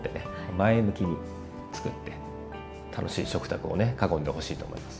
前向きにつくって楽しい食卓をね囲んでほしいと思います。